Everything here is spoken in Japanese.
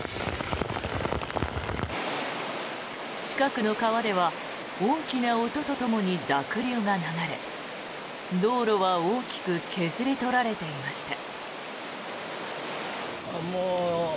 近くの川では大きな音とともに濁流が流れ道路は大きく削り取られていました。